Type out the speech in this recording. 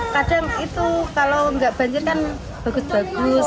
kadang itu kalau nggak banjir kan bagus bagus